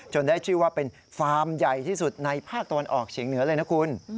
ได้ชื่อว่าเป็นฟาร์มใหญ่ที่สุดในภาคตะวันออกเฉียงเหนือเลยนะคุณ